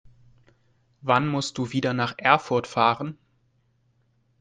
Wann musst du wieder nach Erfurt fahren?